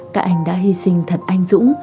các anh đã hy sinh thật anh dũng